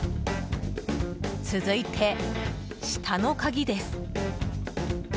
続いて、下の鍵です。